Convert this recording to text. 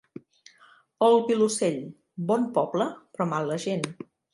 El Vilosell, bon poble però mala gent.